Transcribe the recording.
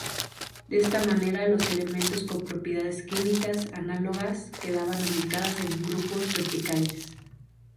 De esta manera, los elementos con propiedades químicas análogas, quedaban ubicados en grupos verticales.